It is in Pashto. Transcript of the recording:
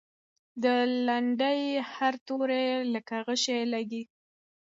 د لنډۍ هر توری لکه غشی لګي.